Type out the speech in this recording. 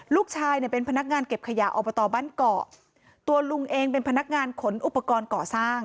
ลูกชายเนี่ยเป็นพนักงานเก็บขยะอบตบ้านเกาะตัวลุงเองเป็นพนักงานขนอุปกรณ์ก่อสร้าง